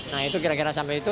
nah itu kira kira sampai itu